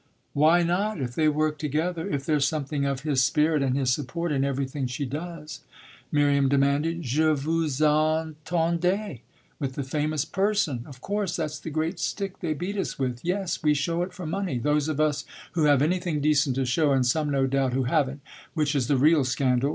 "Why not if they work together if there's something of his spirit and his support in everything she does?" Miriam demanded. "Je vous attendais with the famous 'person'; of course that's the great stick they beat us with. Yes, we show it for money, those of us who have anything decent to show, and some no doubt who haven't, which is the real scandal.